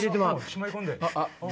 しまい込んで。